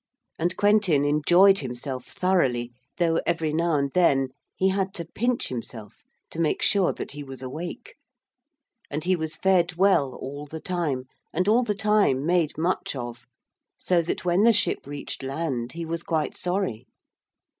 And Quentin enjoyed himself thoroughly, though every now and then he had to pinch himself to make sure that he was awake. And he was fed well all the time, and all the time made much of, so that when the ship reached land he was quite sorry.